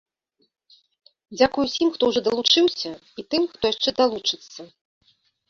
Дзякуем усім, хто ўжо далучыўся, і тым, хто яшчэ далучыцца.